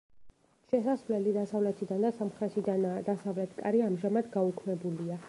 შესასვლელი დასავლეთიდან და სამხრეთიდანაა, დასავლეთ კარი ამჟამად გაუქმებულია.